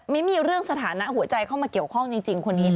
ไม่มีเรื่องสถานะหัวใจเข้ามาเกี่ยวข้องจริงคนนี้